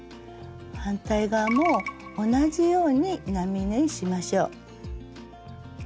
反対側も同じように並縫いしましょう。